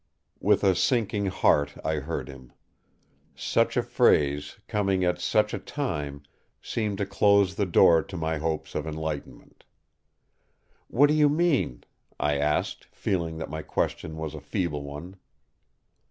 With a sinking heart I heard him. Such a phrase, coming at such a time, seemed to close the door to my hopes of enlightenment. "What do you mean?" I asked, feeling that my question was a feeble one.